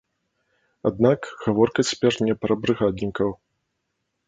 Аднак, гаворка цяпер не пра брыгаднікаў.